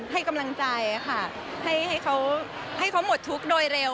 ให้กำลังใจค่ะให้เขาหมดทุกข์โดยเร็ว